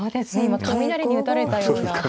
今雷に打たれたような。